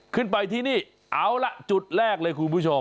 ขึ้นไปที่นี่เอาล่ะจุดแรกเลยคุณผู้ชม